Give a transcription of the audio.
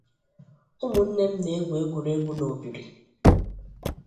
Ụmụnne'm na egwu egwuregwu na obiri